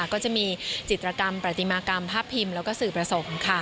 ก็จะมีจิตรกรรมประติมากรรมภาพพิมพ์แล้วก็สื่อประสงค์